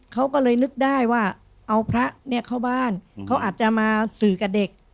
เขาก็เลยนึกได้ว่าเอาพระเนี่ยเข้าบ้านเขาอาจจะมาสื่อกับเด็ก